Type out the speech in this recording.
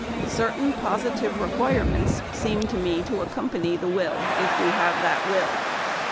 "... Certain positive requirements seem to me to accompany the will if we have that will.